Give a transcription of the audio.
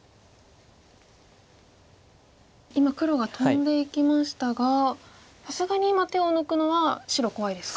今黒がトンでいきましたがさすがに今手を抜くのは白怖いですか。